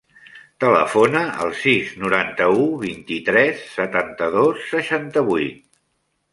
Telefona al sis, noranta-u, vint-i-tres, setanta-dos, seixanta-vuit.